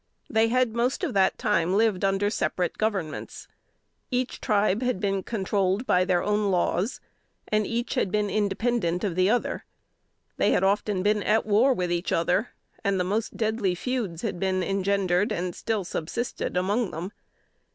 They had most of that time lived under separate governments. Each Tribe had been controlled by their own laws; and each had been independent of the other. They had often been at war with each other; and the most deadly feuds had been engendered and still subsisted among them.